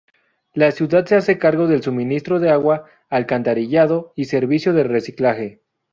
La ciudad se hace cargo del suministro de agua, alcantarillado y servicio de reciclaje.